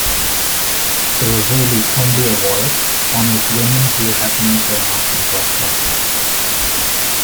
The "Rosalie Trombley Award" honours women who have made their mark in broadcasting.